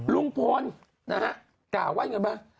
ลุงพลนะฮะกล่าวว่าอย่างนั้นไหม